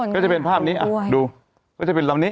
ก็จะเป็นภาพนี้ดูก็จะเป็นลำนี้